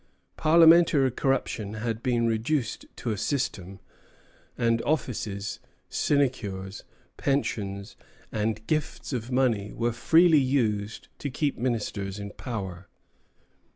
Parliamentary corruption had been reduced to a system; and offices, sinecures, pensions, and gifts of money were freely used to keep ministers in power.